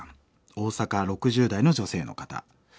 大阪６０代の女性の方。